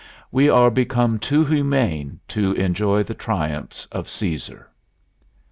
We are become too humane to enjoy the triumphs of Cæsar."